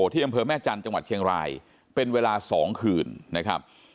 ที่อำเภอแม่จันทร์จังหวัดเชียงรายเป็นเวลา๒คืนนะครับ